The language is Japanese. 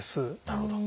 なるほど。